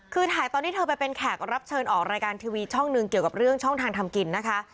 คือถ่ายตอนที่เธอไปเป็นแขกรับเชิญออกรายการทีวีช่องหนึ่งเกี่ยวกับเรื่องช่องทางทำกินนะคะ